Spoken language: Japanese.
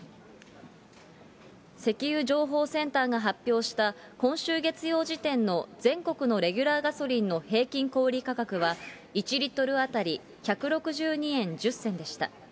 石油情報センターが発表した今週月曜時点の全国のレギュラーガソリンの平均小売り価格は１リットル当たり１６２円１０銭でした。